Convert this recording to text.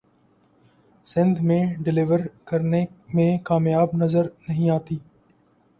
سندھ میں ڈیلیور کرنے میں کامیاب نظر نہیں آتی